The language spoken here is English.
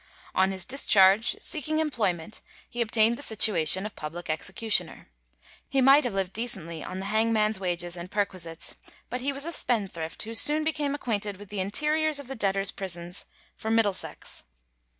On his discharge, seeking employment, he obtained the situation of public executioner. He might have lived decently on the hangman's wages and perquisites, but he was a spendthrift, who soon became acquainted with the interiors of the debtors' prisons for Middlesex.